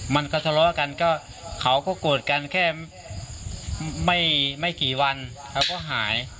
มันก็ทะเลาะกันก็เขาก็โกรธกันแค่ไม่กี่วันเขาก็หาย